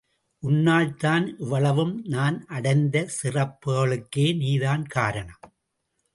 உன்னால் தான் இவ்வளவும் நான் அடைந்த சிறப்புகளுக்கே நீ தான் காரணம்.